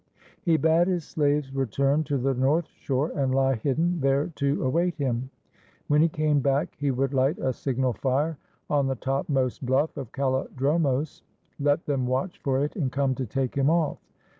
He bade his slaves return to the north shore and lie hidden there to await him. When he came back he would light a signal fire on the topmost bluff of KalH dromos. Let them watch for it and come to take him off.